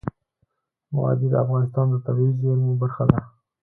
وادي د افغانستان د طبیعي زیرمو برخه ده.